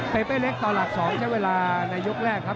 เปเป้เล็กต่อหลัก๒ใช้เวลาในยกแรกครับ